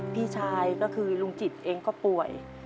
พี่ชายก็คือลุงจิตเองก็ป่วย